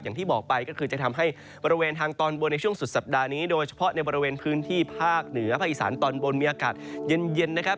อย่างที่บอกไปก็คือจะทำให้บริเวณทางตอนบนในช่วงสุดสัปดาห์นี้โดยเฉพาะในบริเวณพื้นที่ภาคเหนือภาคอีสานตอนบนมีอากาศเย็นนะครับ